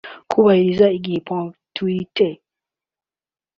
kubahiriza igihe (ponctualité)